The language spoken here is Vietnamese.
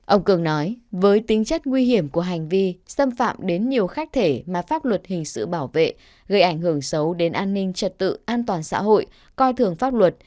ông cường nói với tính chất nguy hiểm của hành vi xâm phạm đến nhiều khách thể mà pháp luật hình sự bảo vệ gây ảnh hưởng xấu đến an ninh trật tự an toàn xã hội coi thường pháp luật